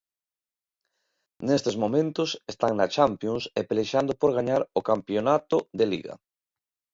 Nestes momentos están na Champions e pelexando por gañar o campionato de Liga.